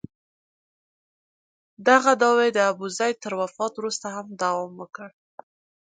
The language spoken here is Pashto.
دغه دعوې د ابوزید تر وفات وروسته هم دوام وکړ.